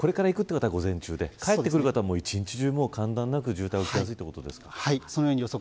これから行く方は午前中で帰ってくる方は一日中渋滞が発生するということですね。